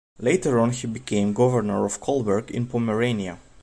Later on he became Governor of Kolberg in Pomerania.